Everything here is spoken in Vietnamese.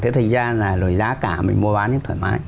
thì thành ra là lời giá cả mình mua bán thì thoải mái